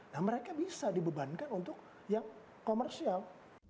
nah mereka bisa dibebankan untuk yang komersial